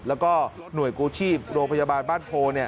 แล้วก็หน่วยกู้ชีพโรงพยาบาลบ้านโพ